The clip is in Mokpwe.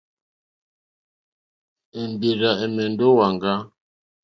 Èmbèrzà ɛ̀mɛ́ndɛ́ ó wàŋgá.